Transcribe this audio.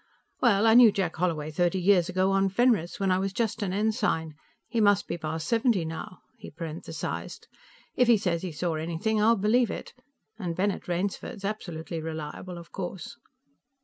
"Well, I knew Jack Holloway thirty years ago, on Fenris, when I was just an ensign. He must be past seventy now," he parenthesized. "If he says he saw anything, I'll believe it. And Bennett Rainsford's absolutely reliable, of course."